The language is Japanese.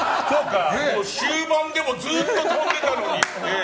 終盤でもずっと飛んでたのに。